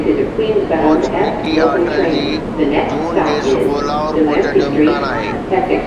coach Mickey Arthur جي جون جي صبح لاهور پهچڻ جو امڪان آهي